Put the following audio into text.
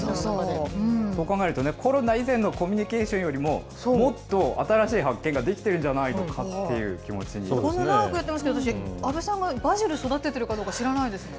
こう考えると、コロナ以前のコミュニケーションよりももっと新しい発見ができてるんじゃないこんな長くやってますけど、私、阿部さんがバジル育ててるかどうか知らないですもん。